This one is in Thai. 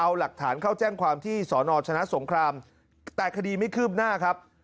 เอาหลักฐานเข้าแจ้งความที่สอนอชนะสงครามแต่คดีไม่คืบหน้าครับ